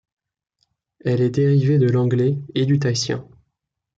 Elle est dérivée de l'anglais et du tahitien.